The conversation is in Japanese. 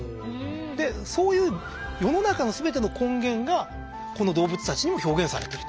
そういう世の中の全ての根源がこの動物たちにも表現されてると。